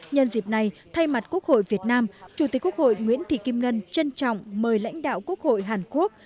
nhân dịp này thay mặt quốc hội việt nam chủ tịch quốc hội nguyễn thị kim ngân trân trọng mời lãnh đạo quốc hội hàn quốc